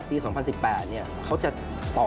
๒๐๑๘เขาจะต่อ